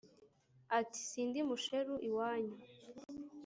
ati sindi musheru iwanyu